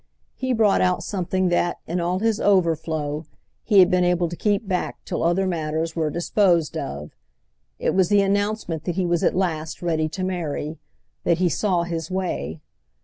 He brought out something that, in all his overflow, he had been able to keep back till other matters were disposed of. It was the announcement that he was at last ready to marry—that he saw his way.